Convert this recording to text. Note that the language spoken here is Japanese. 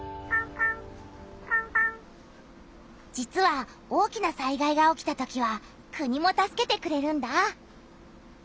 実は大きな災害が起きたときは「国」も助けてくれるんだ！